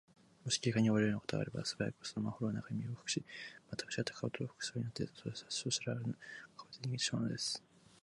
もし警官に追われるようなことがあれば、すばやく、そのマンホールの中へ身をかくし、まったくちがった顔と服装とになって、そしらぬ顔で逃げてしまうのです。